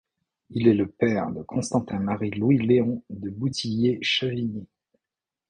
Il est le père de Constantin-Marie-Louis-Léon de Bouthillier-Chavigny.